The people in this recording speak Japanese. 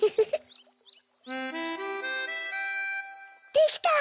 できた！